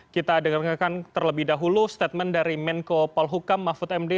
kita dengar dengarkan terlebih dahulu statement dari menko polhukam mahfud md